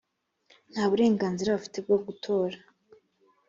nta burenganzira bafite bwo gutora